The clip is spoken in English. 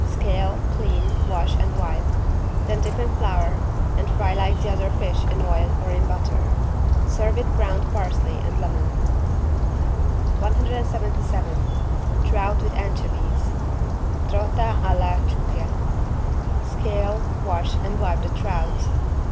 Scale, clean, wash and wipe. Then dip in flour and fry like the other fish in oil or in butter. Serve with browned parsley and lemon. 177 TROUT WITH ANCHOVIES (Trota alle acciughe) Scale, clean wash and wipe the trouts.